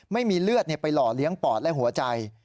ไม่มีเลือดไปหล่อเลี้ยงปอดและหัวใจ